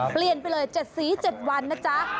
เปลี่ยนไปเลย๗สี๗วันนะจ๊ะ